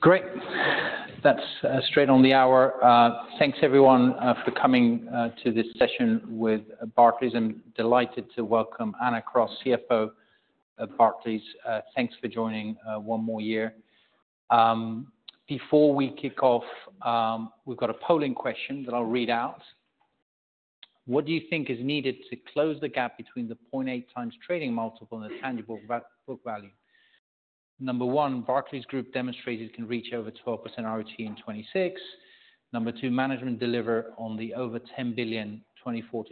Great. That's straight on the hour. Thanks, everyone, for coming to this session with Barclays. I'm delighted to welcome Anna Cross, CFO of Barclays. Thanks for joining one more year. Before we kick off, we've got a polling question that I'll read out. What do you think is needed to close the gap between the 0.8 times trading multiple and the tangible book value? Number one, Barclays Group demonstrates it can reach over 12% ROT in 2026. Number two, management deliver on the over 10 billion 2024-2026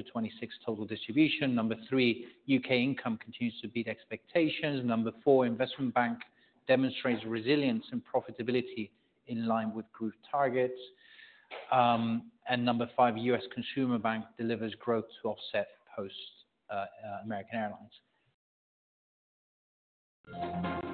total distribution. Number three, U.K. income continues to beat expectations. Number four, investment bank demonstrates resilience and profitability in line with group targets. And number five, U.S. consumer bank delivers growth to offset post-American Airlines. It's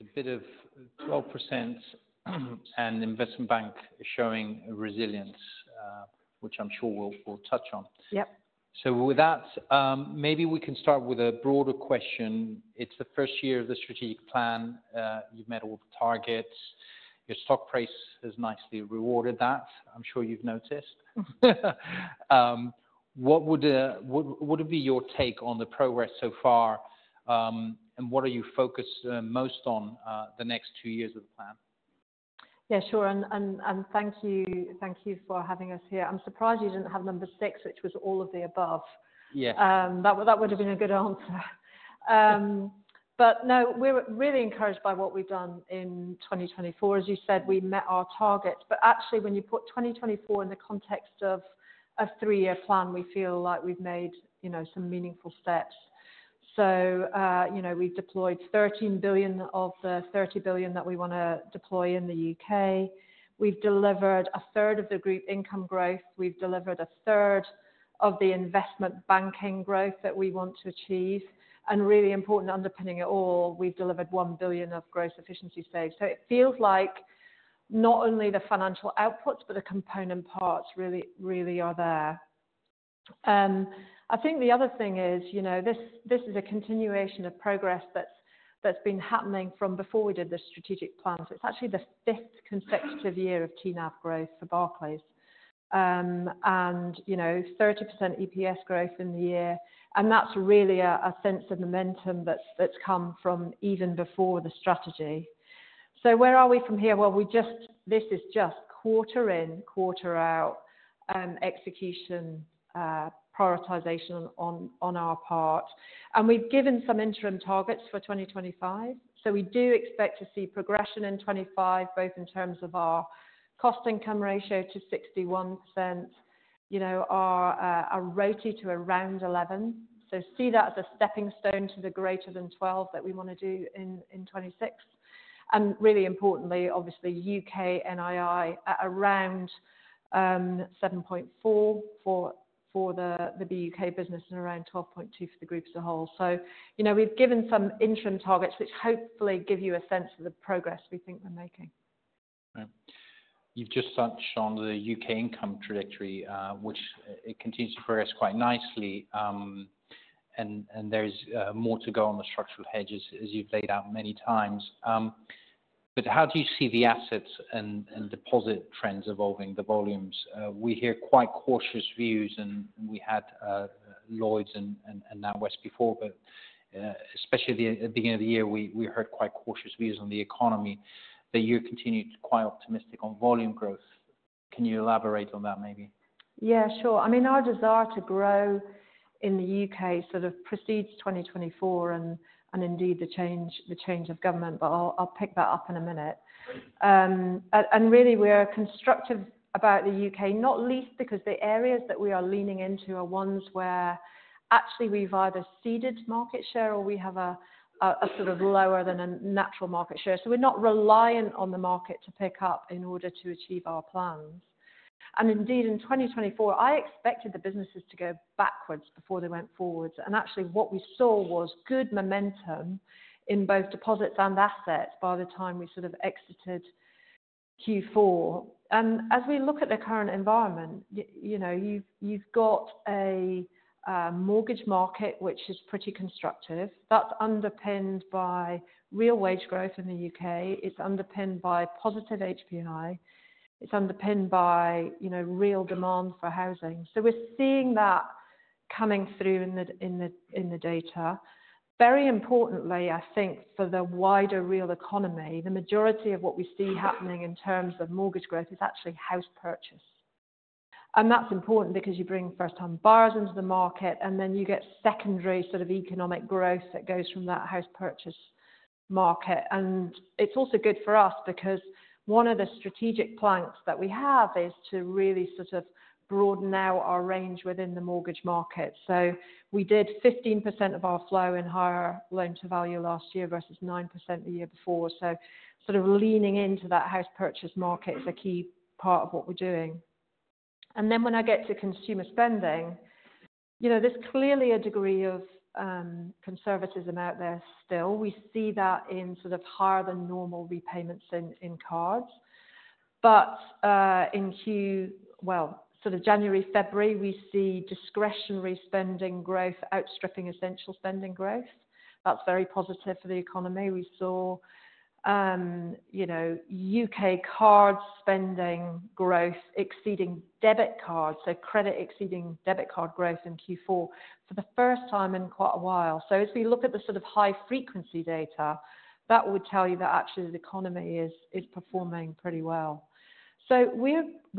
a bit of 12%, and investment bank is showing resilience, which I'm sure we'll touch on. With that, maybe we can start with a broader question. It's the first year of the strategic plan. You've met all the targets. Your stock price has nicely rewarded that. I'm sure you've noticed. What would be your take on the progress so far, and what are you focused most on the next two years of the plan? Yeah, sure. Thank you for having us here. I'm surprised you didn't have number six, which was all of the above. That would have been a good answer. No, we're really encouraged by what we've done in 2024. As you said, we met our targets. Actually, when you put 2024 in the context of a three-year plan, we feel like we've made some meaningful steps. We've deployed 13 billion of the 30 billion that we want to deploy in the U.K. We've delivered a third of the group income growth. We've delivered a third of the investment banking growth that we want to achieve. Really important underpinning it all, we've delivered 1 billion of growth efficiency saved. It feels like not only the financial outputs, but the component parts really are there. I think the other thing is this is a continuation of progress that's been happening from before we did the strategic plan. So it's actually the fifth consecutive year of TNAV growth for Barclays. And 30% EPS growth in the year. That's really a sense of momentum that's come from even before the strategy. Where are we from here? This is just quarter in, quarter out execution prioritization on our part. We've given some interim targets for 2025. We do expect to see progression in 2025, both in terms of our cost income ratio to 61%, our ROT to around 11. See that as a stepping stone to the greater than 12 that we want to do in 2026. Really importantly, obviously, U.K. NII at around 7.4 billion for the BUK business and around 12.2 billion for the group as a whole. We've given some interim targets, which hopefully give you a sense of the progress we think we're making. You've just touched on the U.K. income trajectory, which continues to progress quite nicely. There's more to go on the structural hedges, as you've laid out many times. How do you see the assets and deposit trends evolving, the volumes? We hear quite cautious views, and we had Lloyds and now West Before, but especially at the beginning of the year, we heard quite cautious views on the economy. The year continued quite optimistic on volume growth. Can you elaborate on that, maybe? Yeah, sure. I mean, our desire to grow in the U.K. sort of precedes 2024 and indeed the change of government, but I'll pick that up in a minute. Really, we're constructive about the U.K., not least because the areas that we are leaning into are ones where actually we've either ceded market share or we have a sort of lower than a natural market share. We're not reliant on the market to pick up in order to achieve our plans. Indeed, in 2024, I expected the businesses to go backwards before they went forwards. Actually, what we saw was good momentum in both deposits and assets by the time we sort of exited Q4. As we look at the current environment, you've got a mortgage market, which is pretty constructive. That's underpinned by real wage growth in the U.K. It's underpinned by positive HPI. It's underpinned by real demand for housing. We are seeing that coming through in the data. Very importantly, I think, for the wider real economy, the majority of what we see happening in terms of mortgage growth is actually house purchase. That is important because you bring first-time buyers into the market, and then you get secondary sort of economic growth that goes from that house purchase market. It is also good for us because one of the strategic plans that we have is to really sort of broaden out our range within the mortgage market. We did 15% of our flow in higher loan-to-value last year versus 9% the year before. Leaning into that house purchase market is a key part of what we are doing. When I get to consumer spending, there is clearly a degree of conservatism out there still. We see that in sort of higher than normal repayments in cards. In Q, sort of January, February, we see discretionary spending growth outstripping essential spending growth. That is very positive for the economy. We saw U.K. card spending growth exceeding debit cards, so credit exceeding debit card growth in Q4 for the first time in quite a while. As we look at the sort of high-frequency data, that would tell you that actually the economy is performing pretty well. We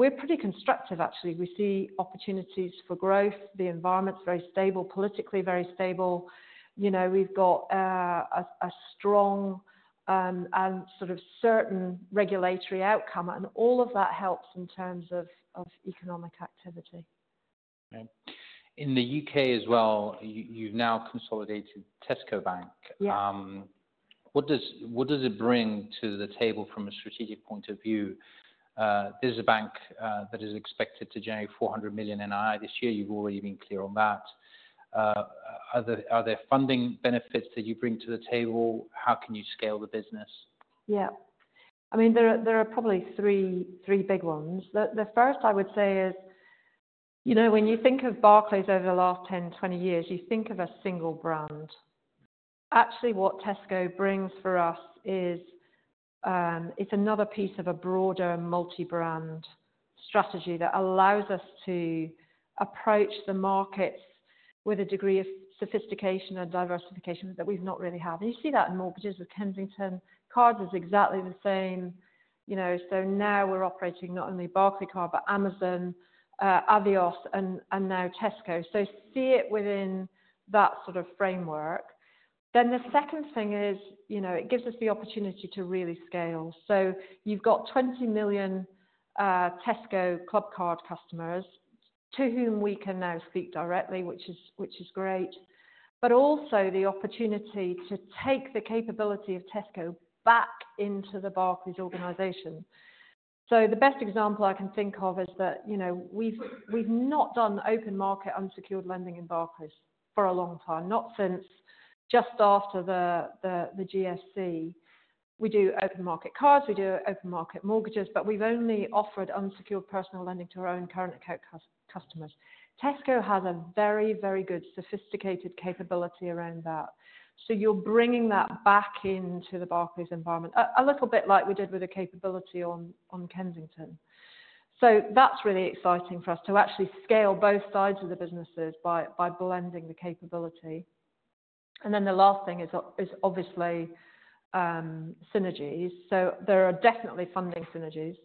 are pretty constructive, actually. We see opportunities for growth. The environment is very stable, politically very stable. We have got a strong and sort of certain regulatory outcome, and all of that helps in terms of economic activity. In the U.K. as well, you've now consolidated Tesco Bank. What does it bring to the table from a strategic point of view? This is a bank that is expected to generate 400 million NII this year. You've already been clear on that. Are there funding benefits that you bring to the table? How can you scale the business? Yeah. I mean, there are probably three big ones. The first, I would say, is when you think of Barclays over the last 10, 20 years, you think of a single brand. Actually, what Tesco brings for us is it's another piece of a broader multi-brand strategy that allows us to approach the markets with a degree of sophistication and diversification that we've not really had. You see that in mortgages with Kensington. Cards is exactly the same. Now we're operating not only Barclaycard, but Amazon, Avios, and now Tesco. See it within that sort of framework. The second thing is it gives us the opportunity to really scale. You've got 20 million Tesco Clubcard customers to whom we can now speak directly, which is great, but also the opportunity to take the capability of Tesco back into the Barclays organization. The best example I can think of is that we've not done open market unsecured lending in Barclays for a long time, not since just after the GSC. We do open market cards. We do open market mortgages, but we've only offered unsecured personal lending to our own current account customers. Tesco has a very, very good sophisticated capability around that. You're bringing that back into the Barclays environment, a little bit like we did with the capability on Kensington. That's really exciting for us to actually scale both sides of the businesses by blending the capability. The last thing is obviously synergies. There are definitely funding synergies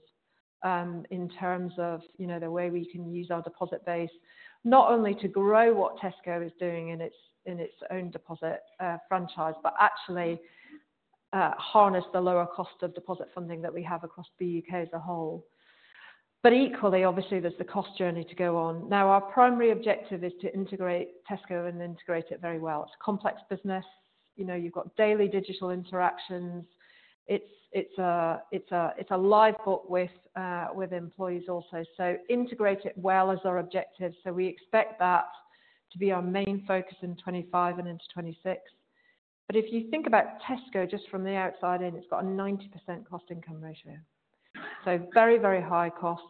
in terms of the way we can use our deposit base, not only to grow what Tesco is doing in its own deposit franchise, but actually harness the lower cost of deposit funding that we have across the U.K. as a whole. Equally, obviously, there's the cost journey to go on. Now, our primary objective is to integrate Tesco and integrate it very well. It's a complex business. You've got daily digital interactions. It's a live book with employees also. Integrate it well is our objective. We expect that to be our main focus in 2025 and into 2026. If you think about Tesco just from the outside in, it's got a 90% cost income ratio. Very, very high costs.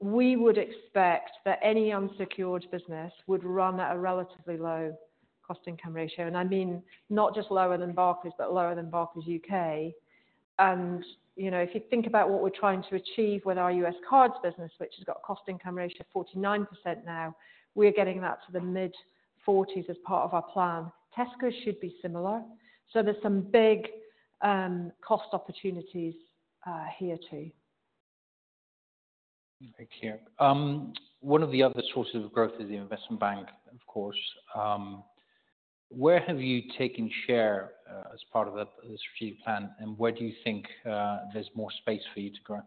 We would expect that any unsecured business would run at a relatively low cost income ratio. I mean not just lower than Barclays, but lower than Barclays U.K. If you think about what we're trying to achieve with our U.S. cards business, which has got a cost income ratio of 49% now, we're getting that to the mid-40% as part of our plan. Tesco should be similar. There are some big cost opportunities here too. Thank you. One of the other sources of growth is the investment bank, of course. Where have you taken share as part of the strategic plan, and where do you think there's more space for you to grow?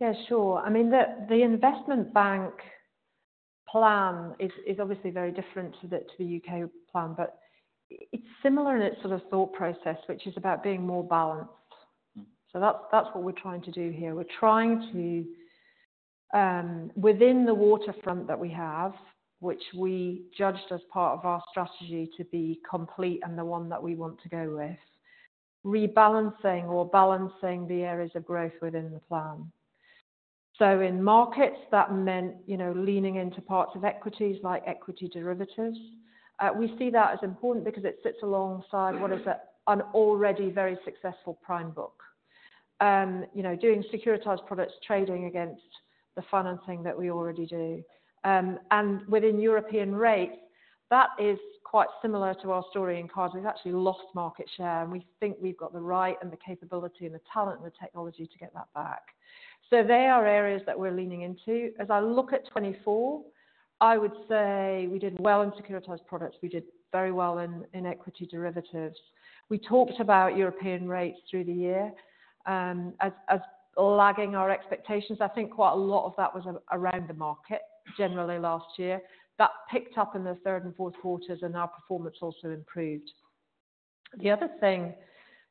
Yeah, sure. I mean, the investment bank plan is obviously very different to the U.K. plan, but it's similar in its sort of thought process, which is about being more balanced. That's what we're trying to do here. We're trying to, within the waterfront that we have, which we judged as part of our strategy to be complete and the one that we want to go with, rebalancing or balancing the areas of growth within the plan. In markets, that meant leaning into parts of equities like equity derivatives. We see that as important because it sits alongside what is an already very successful prime book, doing securitized products, trading against the financing that we already do. Within European rates, that is quite similar to our story in cards. We've actually lost market share, and we think we've got the right and the capability and the talent and the technology to get that back. They are areas that we're leaning into. As I look at 2024, I would say we did well in securitized products. We did very well in equity derivatives. We talked about European rates through the year as lagging our expectations. I think quite a lot of that was around the market generally last year. That picked up in the third and fourth quarters, and our performance also improved. The other thing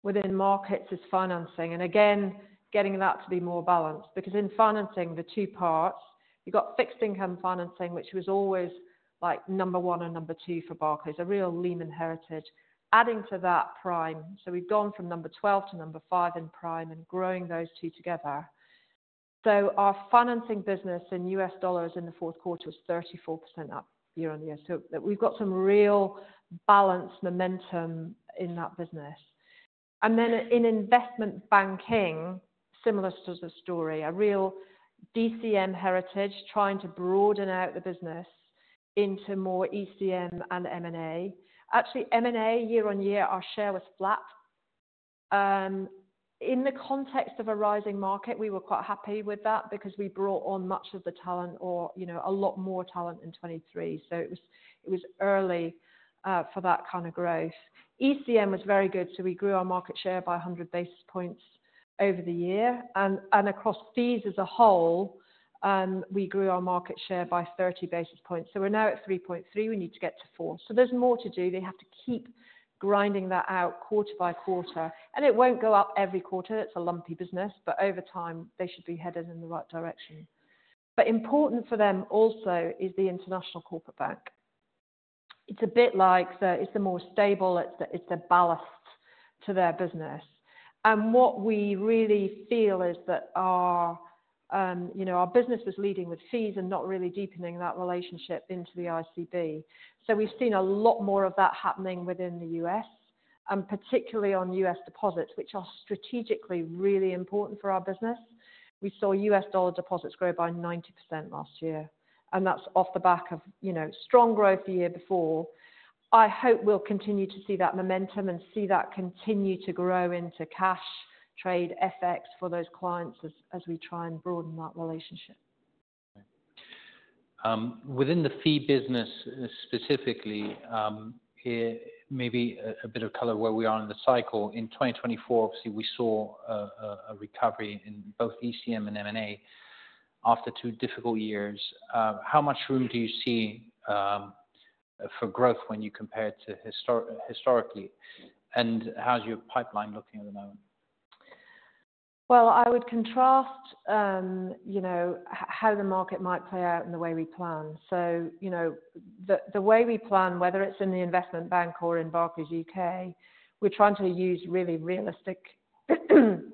within markets is financing, and again, getting that to be more balanced because in financing, the two parts, you've got fixed income financing, which was always number one and number two for Barclays, a real Lehman heritage, adding to that prime. We've gone from number 12 to number 5 in prime and growing those two together. Our financing business in US dollars in the fourth quarter was 34% up year on year. We've got some real balance momentum in that business. In investment banking, similar sort of story, a real DCM heritage trying to broaden out the business into more ECM and M&A. Actually, M&A year on year, our share was flat. In the context of a rising market, we were quite happy with that because we brought on much of the talent or a lot more talent in 2023. It was early for that kind of growth. ECM was very good, so we grew our market share by 100 basis points over the year. Across fees as a whole, we grew our market share by 30 basis points. We're now at 3.3. We need to get to 4. There is more to do. They have to keep grinding that out quarter by quarter. It will not go up every quarter. It is a lumpy business, but over time, they should be headed in the right direction. Important for them also is the International Corporate Bank. It is a bit like it is the more stable. It is a ballast to their business. What we really feel is that our business was leading with fees and not really deepening that relationship into the ICB. We have seen a lot more of that happening within the U.S., and particularly on U.S. deposits, which are strategically really important for our business. We saw U.S. dollar deposits grow by 90% last year, and that is off the back of strong growth the year before. I hope we'll continue to see that momentum and see that continue to grow into cash trade FX for those clients as we try and broaden that relationship. Within the fee business specifically, maybe a bit of color where we are in the cycle. In 2024, obviously, we saw a recovery in both ECM and M&A after two difficult years. How much room do you see for growth when you compare it to historically? How's your pipeline looking at the moment? I would contrast how the market might play out in the way we plan. The way we plan, whether it's in the investment bank or in Barclays UK, we're trying to use really realistic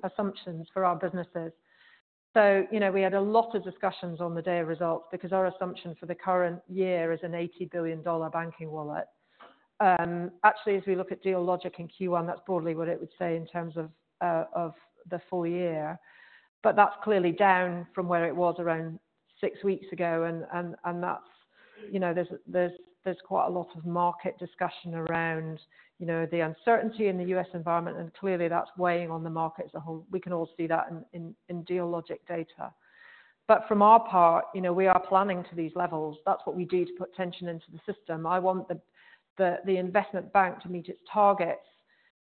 assumptions for our businesses. We had a lot of discussions on the day of results because our assumption for the current year is an $80 billion banking wallet. Actually, as we look at deal logic in Q1, that's broadly what it would say in terms of the full year. That's clearly down from where it was around six weeks ago, and there's quite a lot of market discussion around the uncertainty in the U.S. environment, and clearly that's weighing on the market as a whole. We can all see that in deal logic data. From our part, we are planning to these levels. That's what we do to put tension into the system. I want the investment bank to meet its targets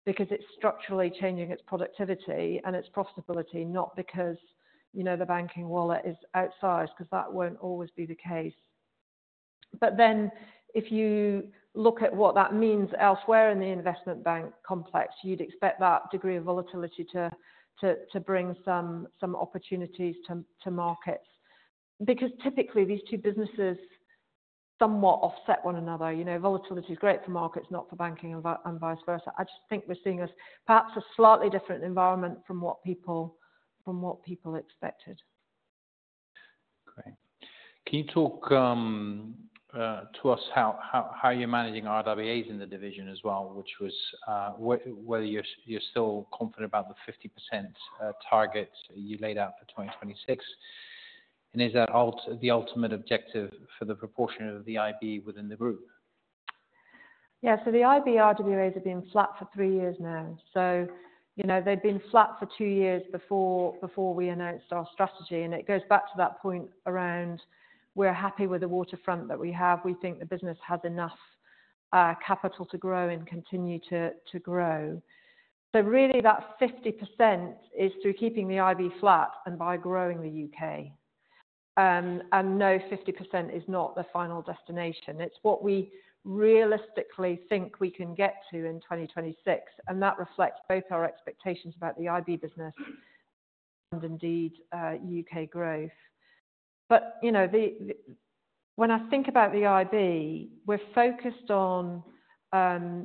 because it's structurally changing its productivity and its profitability, not because the banking wallet is outsized, because that won't always be the case. If you look at what that means elsewhere in the investment bank complex, you'd expect that degree of volatility to bring some opportunities to markets. Because typically, these two businesses somewhat offset one another. Volatility is great for markets, not for banking and vice versa. I just think we're seeing perhaps a slightly different environment from what people expected. Great. Can you talk to us how you're managing RWAs in the division as well, which was whether you're still confident about the 50% target you laid out for 2026? Is that the ultimate objective for the proportion of the IB within the group? Yeah. The IB RWAs have been flat for three years now. They have been flat for two years before we announced our strategy. It goes back to that point around we're happy with the waterfront that we have. We think the business has enough capital to grow and continue to grow. Really, that 50% is through keeping the IB flat and by growing the U.K. No, 50% is not the final destination. It is what we realistically think we can get to in 2026. That reflects both our expectations about the IB business and indeed U.K. growth. When I think about the IB, we're focused on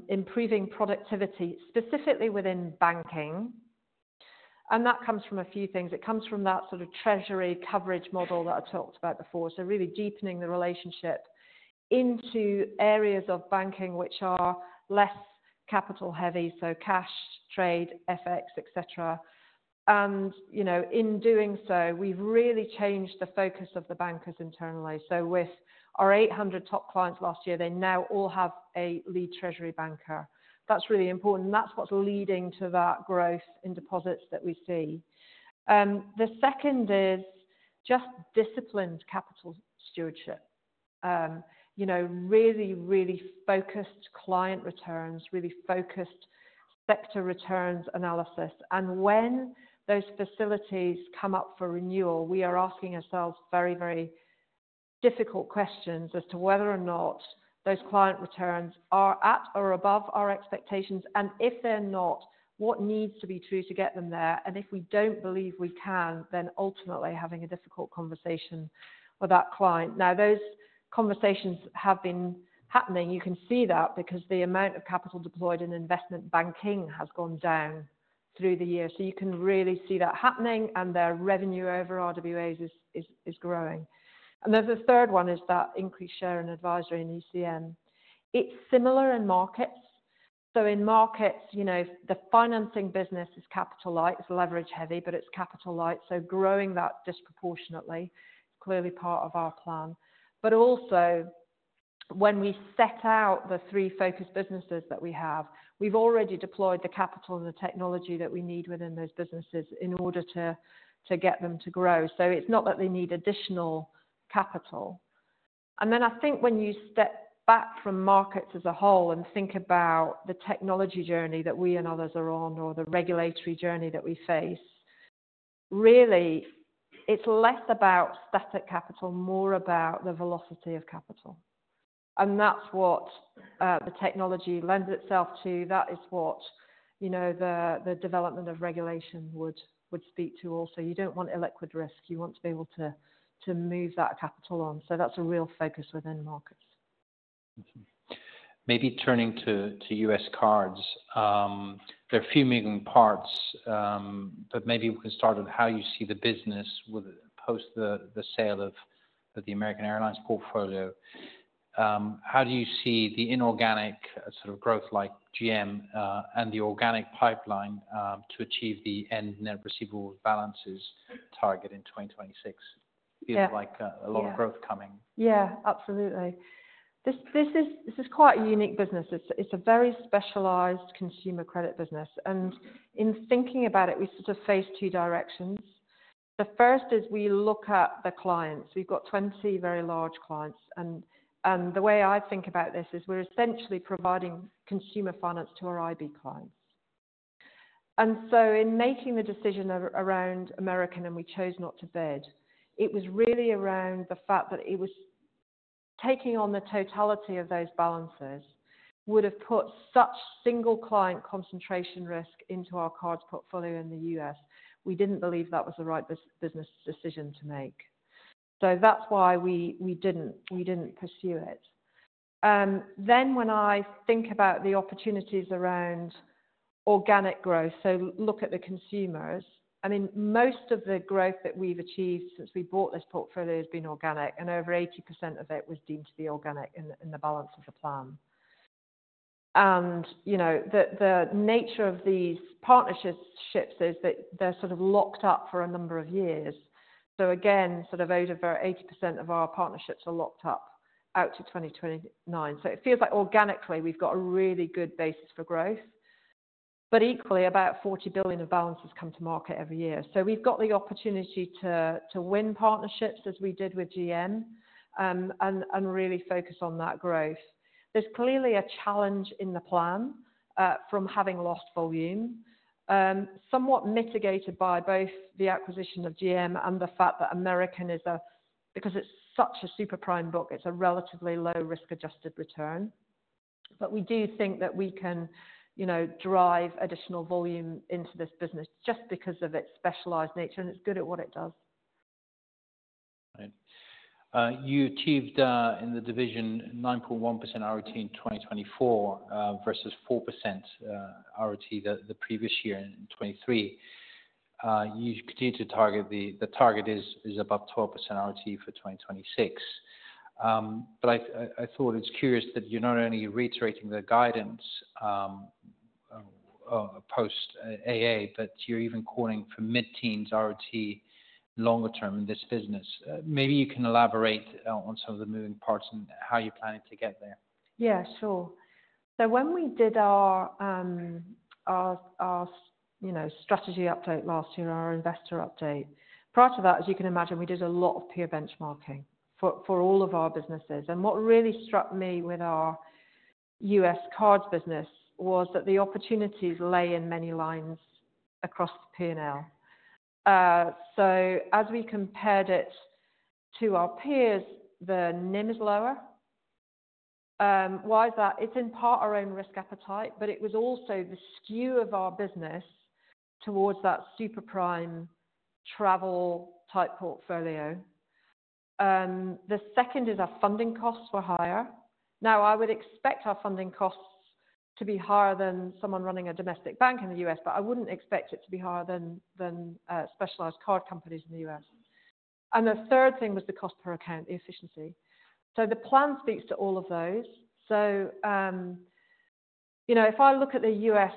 improving productivity, specifically within banking. That comes from a few things. It comes from that sort of treasury coverage model that I talked about before. Really deepening the relationship into areas of banking which are less capital heavy, so cash, trade, FX, etc. In doing so, we've really changed the focus of the bankers internally. With our 800 top clients last year, they now all have a lead treasury banker. That's really important. That's what's leading to that growth in deposits that we see. The second is just disciplined capital stewardship, really, really focused client returns, really focused sector returns analysis. When those facilities come up for renewal, we are asking ourselves very, very difficult questions as to whether or not those client returns are at or above our expectations. If they're not, what needs to be true to get them there? If we don't believe we can, then ultimately having a difficult conversation with that client. Those conversations have been happening. You can see that because the amount of capital deployed in investment banking has gone down through the year. You can really see that happening, and their revenue over RWAs is growing. The third one is that increased share in advisory and ECM. It's similar in markets. In markets, the financing business is capital-light. It's leverage-heavy, but it's capital-light. Growing that disproportionately is clearly part of our plan. When we set out the three focus businesses that we have, we've already deployed the capital and the technology that we need within those businesses in order to get them to grow. It's not that they need additional capital. I think when you step back from markets as a whole and think about the technology journey that we and others are on or the regulatory journey that we face, really, it's less about static capital, more about the velocity of capital. That is what the technology lends itself to. That is what the development of regulation would speak to also. You do not want illiquid risk. You want to be able to move that capital on. That is a real focus within markets. Maybe turning to US cards. There are a few moving parts, but maybe we can start with how you see the business post the sale of the American Airlines portfolio. How do you see the inorganic sort of growth like GM and the organic pipeline to achieve the end net receivable balances target in 2026? Feels like a lot of growth coming. Yeah, absolutely. This is quite a unique business. It's a very specialized consumer credit business. In thinking about it, we sort of face two directions. The first is we look at the clients. We've got 20 very large clients. The way I think about this is we're essentially providing consumer finance to our IB clients. In making the decision around American, and we chose not to bid, it was really around the fact that taking on the totality of those balances would have put such single client concentration risk into our cards portfolio in the US, we didn't believe that was the right business decision to make. That's why we didn't pursue it. When I think about the opportunities around organic growth, I look at the consumers. I mean, most of the growth that we've achieved since we bought this portfolio has been organic, and over 80% of it was deemed to be organic in the balance of the plan. The nature of these partnerships is that they're sort of locked up for a number of years. Again, over 80% of our partnerships are locked up out to 2029. It feels like organically we've got a really good basis for growth, but equally, about $40 billion of balances come to market every year. We've got the opportunity to win partnerships as we did with GM and really focus on that growth. There's clearly a challenge in the plan from having lost volume, somewhat mitigated by both the acquisition of GM and the fact that American is a, because it's such a super prime book, it's a relatively low risk-adjusted return. We do think that we can drive additional volume into this business just because of its specialized nature, and it's good at what it does. Right. You achieved in the division 9.1% ROT in 2024 versus 4% ROT the previous year in 2023. You continue to target the target is about 12% ROT for 2026. I thought it's curious that you're not only reiterating the guidance post AA, but you're even calling for mid-teens ROT longer term in this business. Maybe you can elaborate on some of the moving parts and how you're planning to get there. Yeah, sure. When we did our strategy update last year, our investor update, prior to that, as you can imagine, we did a lot of peer benchmarking for all of our businesses. What really struck me with our US cards business was that the opportunities lay in many lines across the P&L. As we compared it to our peers, the NIM is lower. Why is that? It's in part our own risk appetite, but it was also the skew of our business towards that super prime travel type portfolio. The second is our funding costs were higher. Now, I would expect our funding costs to be higher than someone running a domestic bank in the US, but I wouldn't expect it to be higher than specialized card companies in the US. The third thing was the cost per account, the efficiency. The plan speaks to all of those. If I look at the U.S.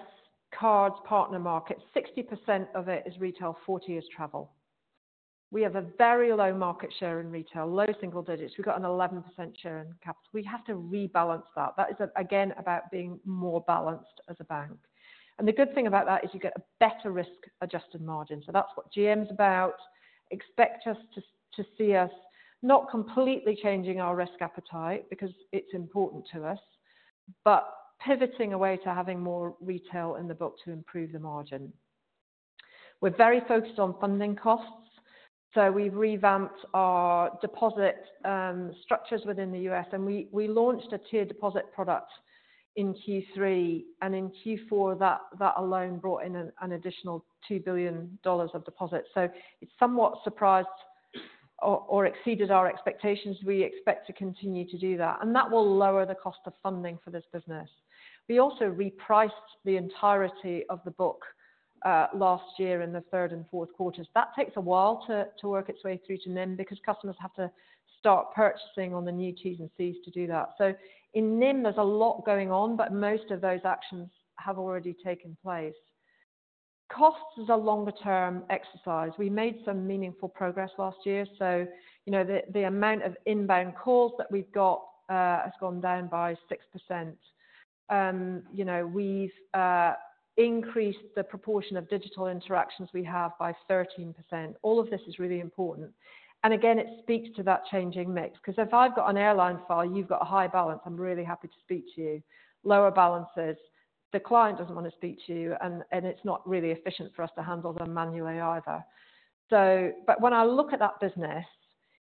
cards partner market, 60% of it is retail, 40% is travel. We have a very low market share in retail, low single digits. We've got an 11% share in capital. We have to rebalance that. That is, again, about being more balanced as a bank. The good thing about that is you get a better risk-adjusted margin. That's what GM's about. Expect to see us not completely changing our risk appetite because it's important to us, but pivoting away to having more retail in the book to improve the margin. We're very focused on funding costs. We've revamped our deposit structures within the U.S., and we launched a tiered deposit product in Q3. In Q4, that alone brought in an additional $2 billion of deposits. It somewhat surprised or exceeded our expectations. We expect to continue to do that. That will lower the cost of funding for this business. We also repriced the entirety of the book last year in the third and fourth quarters. That takes a while to work its way through to NIM because customers have to start purchasing on the new T's and C's to do that. In NIM, there is a lot going on, but most of those actions have already taken place. Costs is a longer-term exercise. We made some meaningful progress last year. The amount of inbound calls that we've got has gone down by 6%. We've increased the proportion of digital interactions we have by 13%. All of this is really important. Again, it speaks to that changing mix. Because if I've got an airline file, you've got a high balance, I'm really happy to speak to you. Lower balances, the client doesn't want to speak to you, and it's not really efficient for us to handle them manually either. When I look at that business,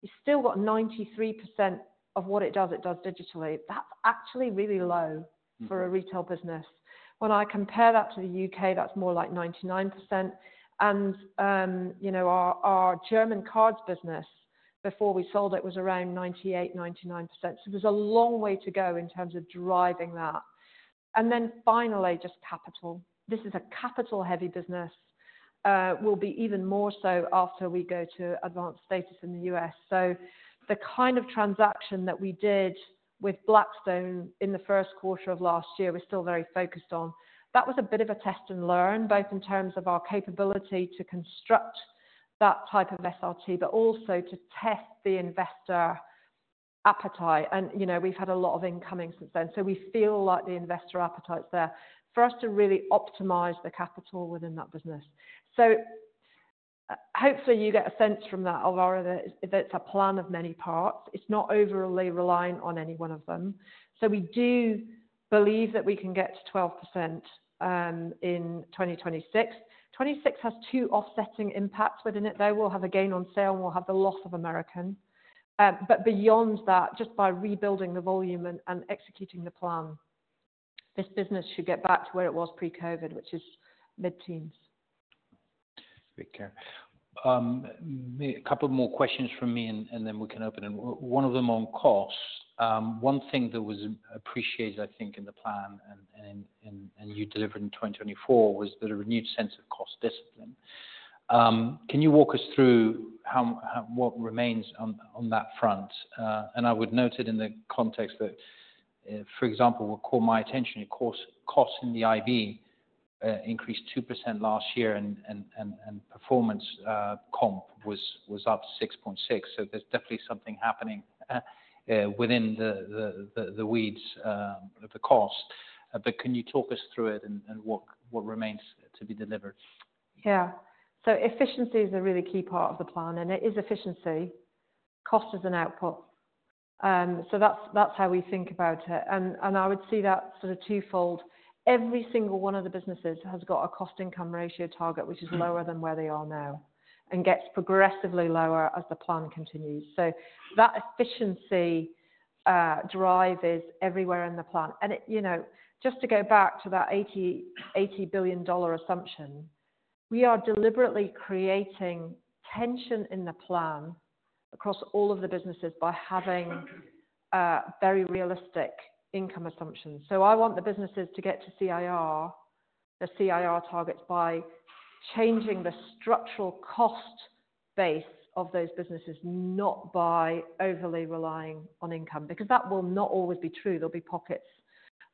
you've still got 93% of what it does, it does digitally. That's actually really low for a retail business. When I compare that to the U.K., that's more like 99%. Our German cards business, before we sold it, was around 98-99%. There is a long way to go in terms of driving that. Finally, just capital. This is a capital-heavy business. It will be even more so after we go to advanced status in the U.S. The kind of transaction that we did with Blackstone in the first quarter of last year, we're still very focused on. That was a bit of a test and learn, both in terms of our capability to construct that type of SRT, but also to test the investor appetite. We have had a lot of incoming since then. We feel like the investor appetite's there for us to really optimize the capital within that business. Hopefully, you get a sense from that that it's a plan of many parts. It's not overly reliant on any one of them. We do believe that we can get to 12% in 2026. 2026 has two offsetting impacts within it. They will have a gain on sale and we will have the loss of American. Beyond that, just by rebuilding the volume and executing the plan, this business should get back to where it was pre-COVID, which is mid-teens. Great. A couple more questions from me, and then we can open it. One of them on costs. One thing that was appreciated, I think, in the plan and you delivered in 2024 was the renewed sense of cost discipline. Can you walk us through what remains on that front? I would note it in the context that, for example, what caught my attention, costs in the IB increased 2% last year, and performance comp was up 6.6%. There is definitely something happening within the weeds of the cost. Can you talk us through it and what remains to be delivered? Yeah. Efficiency is a really key part of the plan, and it is efficiency. Cost is an output. That is how we think about it. I would see that sort of twofold. Every single one of the businesses has got a cost-income ratio target, which is lower than where they are now, and gets progressively lower as the plan continues. That efficiency drive is everywhere in the plan. Just to go back to that $80 billion assumption, we are deliberately creating tension in the plan across all of the businesses by having very realistic income assumptions. I want the businesses to get to CIR, the CIR targets, by changing the structural cost base of those businesses, not by overly relying on income. Because that will not always be true. There will be pockets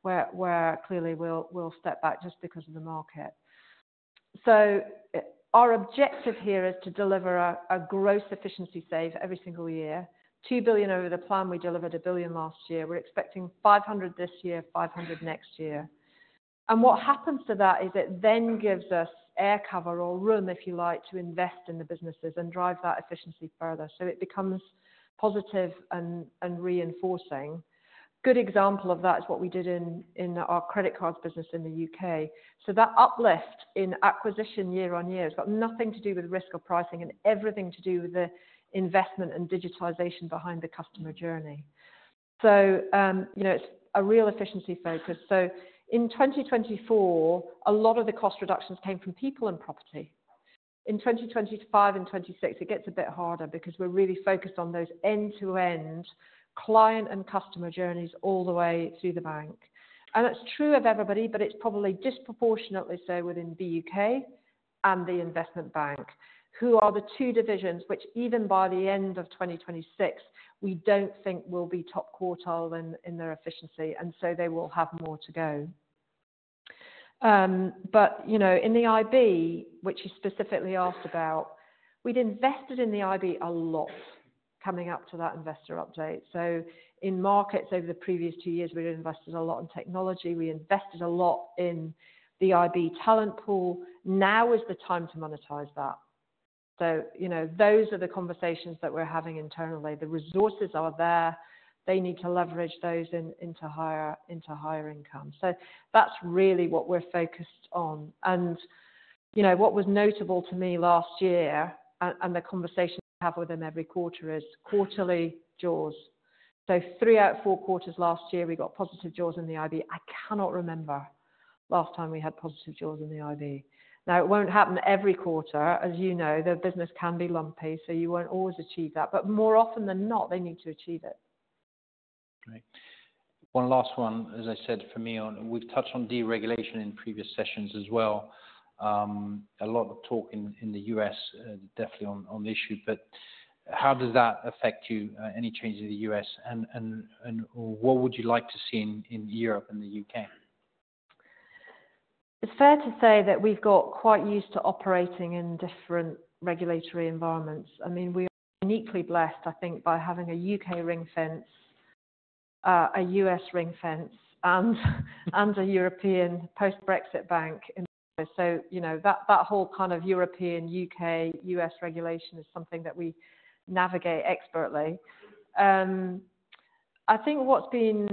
where clearly we will step back just because of the market. Our objective here is to deliver a gross efficiency save every single year. $2 billion over the plan, we delivered $1 billion last year. We're expecting $500 million this year, $500 million next year. What happens to that is it then gives us air cover or room, if you like, to invest in the businesses and drive that efficiency further. It becomes positive and reinforcing. A good example of that is what we did in our credit cards business in the U.K. That uplift in acquisition year on year has got nothing to do with risk or pricing and everything to do with the investment and digitization behind the customer journey. It's a real efficiency focus. In 2024, a lot of the cost reductions came from people and property. In 2025 and 2026, it gets a bit harder because we're really focused on those end-to-end client and customer journeys all the way through the bank. That's true of everybody, but it's probably disproportionately so within the U.K. and the investment bank, who are the two divisions which even by the end of 2026, we don't think will be top quartile in their efficiency. They will have more to go. In the IB, which you specifically asked about, we'd invested in the IB a lot coming up to that investor update. In markets over the previous two years, we'd invested a lot in technology. We invested a lot in the IB talent pool. Now is the time to monetize that. Those are the conversations that we're having internally. The resources are there. They need to leverage those into higher income. That's really what we're focused on. What was notable to me last year and the conversation we have with them every quarter is quarterly draws. Three out of four quarters last year, we got positive draws in the IB. I cannot remember last time we had positive draws in the IB. It won't happen every quarter. As you know, the business can be lumpy, so you won't always achieve that. More often than not, they need to achieve it. Right. One last one, as I said for me, we've touched on deregulation in previous sessions as well. A lot of talk in the U.S., definitely on the issue. How does that affect you, any change in the U.S.? What would you like to see in Europe and the U.K.? It's fair to say that we've got quite used to operating in different regulatory environments. I mean, we are uniquely blessed, I think, by having a U.K. ring fence, a U.S. ring fence, and a European post-Brexit bank in place. That whole kind of European, U.K., U.S. regulation is something that we navigate expertly. I think what's been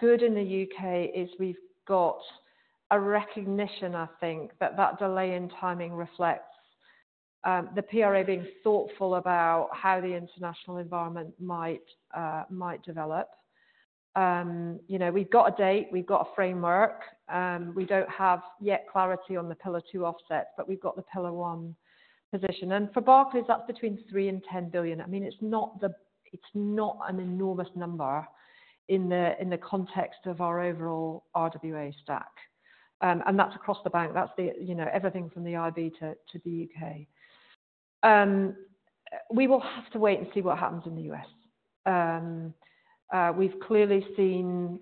good in the U.K. is we've got a recognition, I think, that that delay in timing reflects the PRA being thoughtful about how the international environment might develop. We've got a date. We've got a framework. We don't have yet clarity on the pillar two offsets, but we've got the pillar one position. For Barclays, that's between 3 billion and 10 billion. I mean, it's not an enormous number in the context of our overall RWA stack. That's across the bank. That's everything from the IB to the U.K. We will have to wait and see what happens in the U.S. We've clearly seen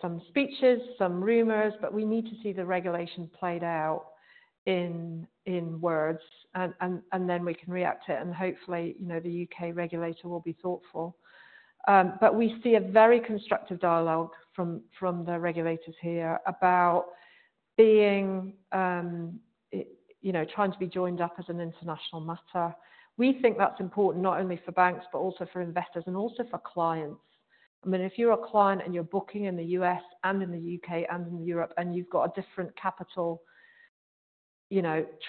some speeches, some rumors, but we need to see the regulation played out in words, and then we can react to it. Hopefully, the U.K. regulator will be thoughtful. We see a very constructive dialogue from the regulators here about trying to be joined up as an international matter. We think that's important not only for banks, but also for investors and also for clients. I mean, if you're a client and you're booking in the U.S. and in the U.K. and in Europe, and you've got a different capital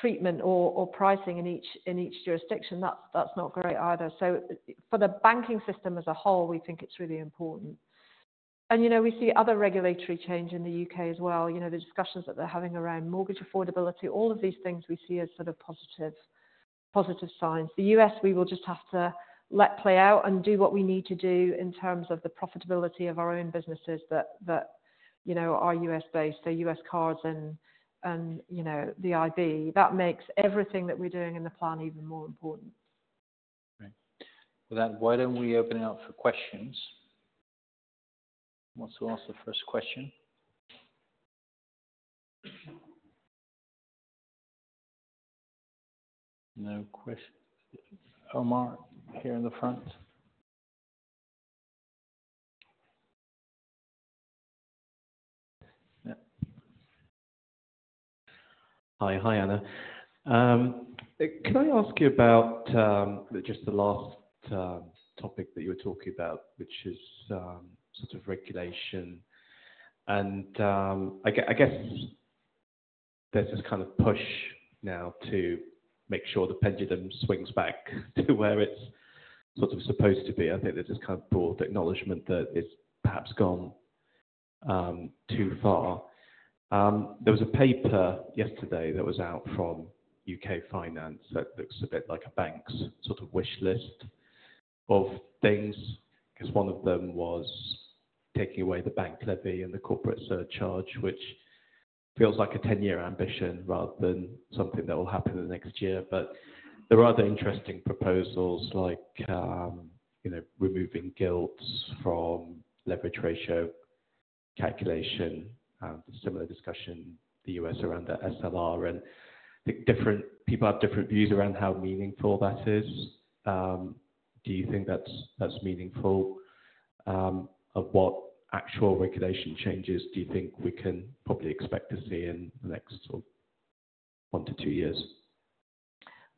treatment or pricing in each jurisdiction, that's not great either. For the banking system as a whole, we think it's really important. We see other regulatory change in the U.K. as well. The discussions that they're having around mortgage affordability, all of these things we see as sort of positive signs. The U.S., we will just have to let play out and do what we need to do in terms of the profitability of our own businesses that are U.S.-based. U.S. cards and the IB. That makes everything that we're doing in the plan even more important. Right. With that, why don't we open it up for questions? Wants to ask the first question. No questions. Omar here in the front. Hi. Hi, Anna. Can I ask you about just the last topic that you were talking about, which is sort of regulation? I guess there's this kind of push now to make sure the pendulum swings back to where it's sort of supposed to be. I think there's this kind of broad acknowledgement that it's perhaps gone too far. There was a paper yesterday that was out from UK Finance that looks a bit like a bank's sort of wish list of things. One of them was taking away the bank levy and the corporate surcharge, which feels like a 10-year ambition rather than something that will happen in the next year. There are other interesting proposals like removing gilt from leverage ratio calculation and a similar discussion in the U.S. around the SLR. People have different views around how meaningful that is. Do you think that's meaningful? Of what actual regulation changes do you think we can probably expect to see in the next one to two years?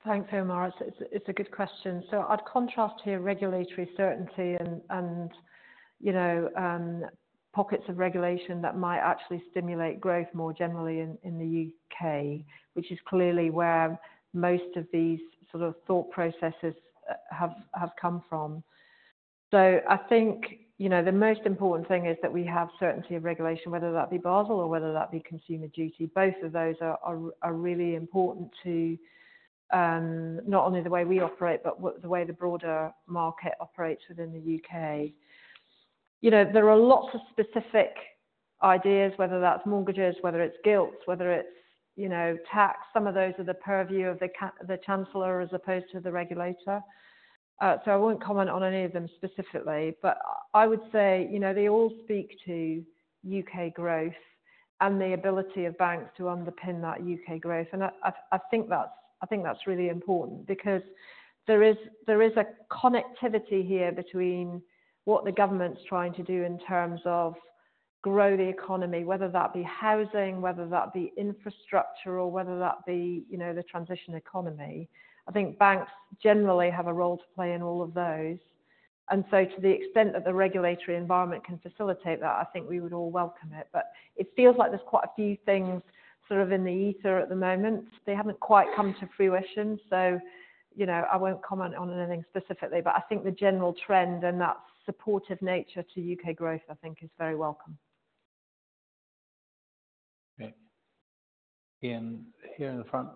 Thanks, Omar. It's a good question. I'd contrast here regulatory certainty and pockets of regulation that might actually stimulate growth more generally in the U.K., which is clearly where most of these sort of thought processes have come from. I think the most important thing is that we have certainty of regulation, whether that be Basel or whether that be consumer duty. Both of those are really important to not only the way we operate, but the way the broader market operates within the U.K. There are lots of specific ideas, whether that's mortgages, whether it's gilts, whether it's tax. Some of those are the purview of the Chancellor as opposed to the regulator. I won't comment on any of them specifically. I would say they all speak to U.K. growth and the ability of banks to underpin that U.K. growth. I think that's really important because there is a connectivity here between what the government's trying to do in terms of grow the economy, whether that be housing, whether that be infrastructure, or whether that be the transition economy. I think banks generally have a role to play in all of those. To the extent that the regulatory environment can facilitate that, I think we would all welcome it. It feels like there's quite a few things sort of in the ether at the moment. They haven't quite come to fruition. I won't comment on anything specifically. I think the general trend and that supportive nature to U.K. growth, I think, is very welcome. Okay. Ian here in the front.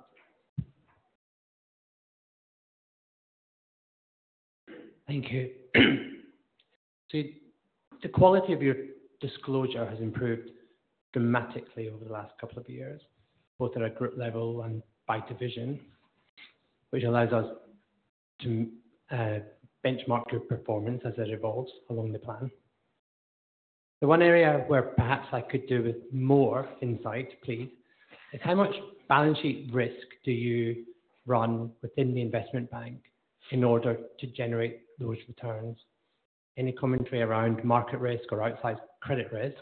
Thank you. The quality of your disclosure has improved dramatically over the last couple of years, both at a group level and by division, which allows us to benchmark your performance as it evolves along the plan. The one area where perhaps I could do with more insight, please, is how much balance sheet risk do you run within the investment bank in order to generate those returns? Any commentary around market risk or outside credit risk,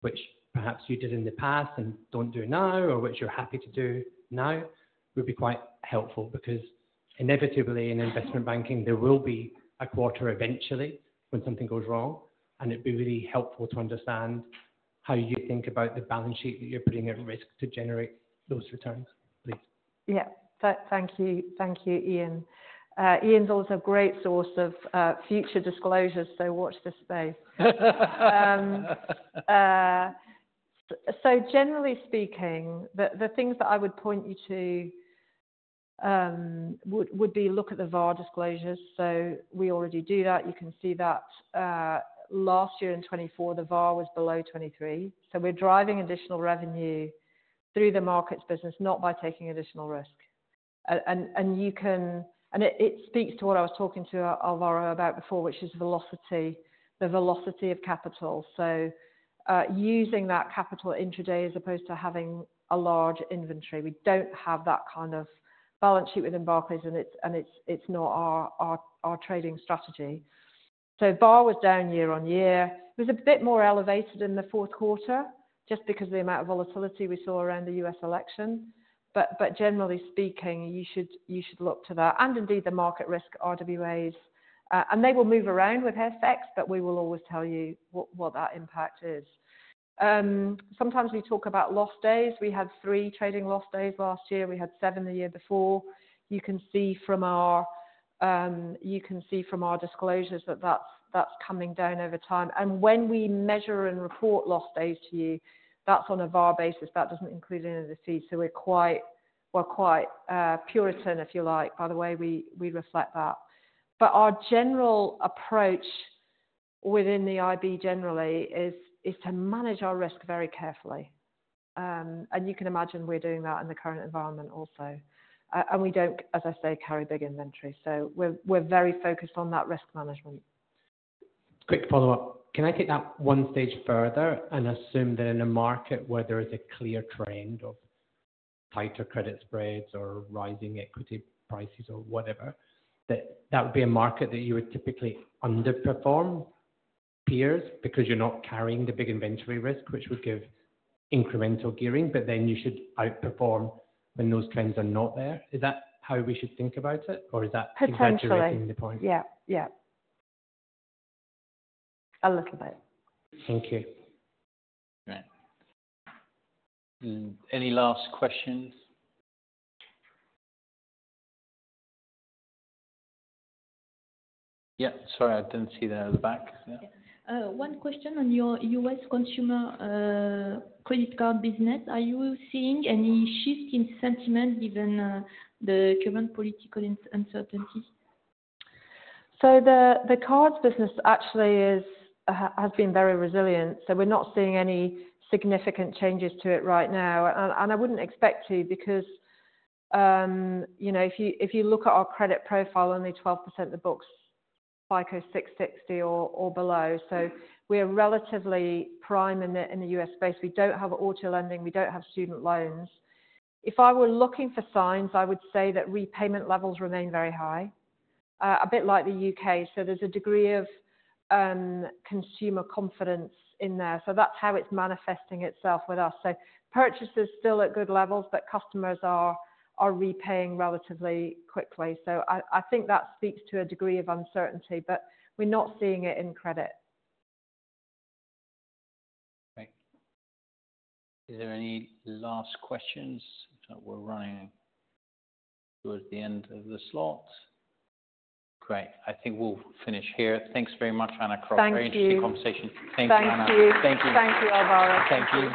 which perhaps you did in the past and do not do now, or which you are happy to do now, would be quite helpful. Because inevitably, in investment banking, there will be a quarter eventually when something goes wrong. It would be really helpful to understand how you think about the balance sheet that you are putting at risk to generate those returns, please. Yeah. Thank you, Ian. Ian's also a great source of future disclosures, so watch this space. Generally speaking, the things that I would point you to would be look at the VAR disclosures. We already do that. You can see that last year in 2024, the VAR was below 2023. We're driving additional revenue through the markets business, not by taking additional risk. It speaks to what I was talking to Alvaro about before, which is the velocity of capital. Using that capital intraday as opposed to having a large inventory. We don't have that kind of balance sheet within Barclays, and it's not our trading strategy. VAR was down year on year. It was a bit more elevated in the fourth quarter just because of the amount of volatility we saw around the U.S. election. Generally speaking, you should look to that. Indeed, the market risk, RWAs. They will move around with HeadFAX, but we will always tell you what that impact is. Sometimes we talk about lost days. We had three trading lost days last year. We had seven the year before. You can see from our disclosures that that is coming down over time. When we measure and report lost days to you, that is on a VAR basis. That does not include any of the fees. We are quite pure return, if you like. By the way, we reflect that. Our general approach within the IB generally is to manage our risk very carefully. You can imagine we are doing that in the current environment also. We do not, as I say, carry big inventory. We are very focused on that risk management. Quick follow-up. Can I take that one stage further and assume that in a market where there is a clear trend of tighter credit spreads or rising equity prices or whatever, that that would be a market that you would typically underperform peers because you're not carrying the big inventory risk, which would give incremental gearing, but then you should outperform when those trends are not there? Is that how we should think about it? Or is that potentially hitting the point? Potentially. Yeah. Yeah. A little bit. Thank you. All right. Any last questions? Yeah. Sorry, I didn't see that at the back. One question on your US consumer credit card business. Are you seeing any shift in sentiment given the current political uncertainty? The cards business actually has been very resilient. We are not seeing any significant changes to it right now. I would not expect to because if you look at our credit profile, only 12% of the book is FICO 660 or below. We are relatively prime in the US space. We do not have auto lending. We do not have student loans. If I were looking for signs, I would say that repayment levels remain very high, a bit like the UK. There is a degree of consumer confidence in there. That is how it is manifesting itself with us. Purchases are still at good levels, but customers are repaying relatively quickly. I think that speaks to a degree of uncertainty, but we are not seeing it in credit. Great. Is there any last questions? We're running towards the end of the slot. Great. I think we'll finish here. Thanks very much, Anna, for a very interesting conversation. Thank you. Thank you. Thank you. Thank you, Alvaro. Thank you.